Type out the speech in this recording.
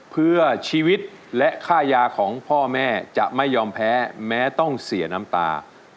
เพื่อชีวิตและค่ายาของพ่อแม่จะไม่ยอมแพ้แม้ต้องเสียน้ำตา